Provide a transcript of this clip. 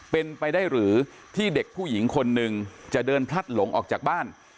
เป็นไปได้หรือที่เด็กผู้หญิงคนหนึ่งจะเดินพลัดหลงออกจากบ้าน